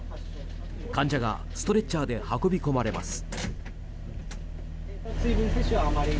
患者がストレッチャーで運び込まれます。